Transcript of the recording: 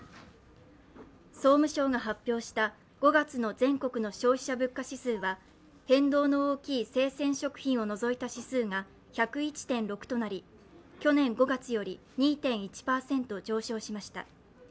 総務省が発表した５月の全国の消費者物価指数は変動の大きい生鮮食品を除いた指数が１０１．６となり去年５月より２．１％上昇しました。